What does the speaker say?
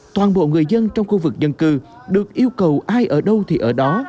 toàn bộ người dân trong khu vực dân cư được yêu cầu ai ở đâu thì ở đó